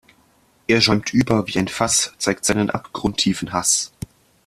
Er schäumt über wie ein Fass, zeigt seinen abgrundtiefen Hass.